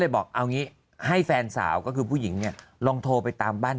บอกเอางี้ให้แฟนสาวก็คือผู้หญิงเนี่ยลองโทรไปตามบ้าน